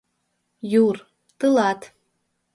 Йӱр, тылат.